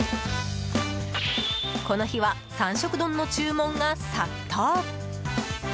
この日は、三色丼の注文が殺到！